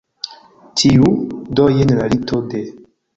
Tiu? Do jen la lito de